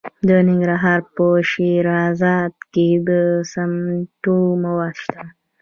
د ننګرهار په شیرزاد کې د سمنټو مواد شته.